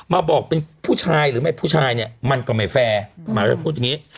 มาบอกเป็นผู้ชายหรือไม่ผู้ชายเนี่ยมันก็ไม่แฟร์หมาจะพูดอย่างนี้